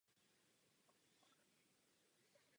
Třetí věcí je mobilita pracujících.